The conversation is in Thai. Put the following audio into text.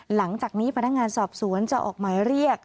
หลังจากนี้พนักงานสอบสวนจะออกหมายเรียก